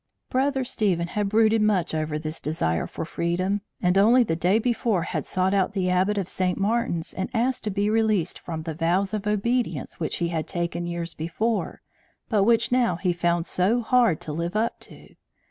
Brother Stephen had brooded much over this desire for freedom, and only the day before had sought out the Abbot of St. Martin's and asked to be released from the vows of obedience which he had taken years before, but which now he found so hard to live up to.